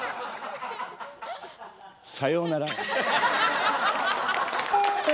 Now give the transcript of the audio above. さようなら。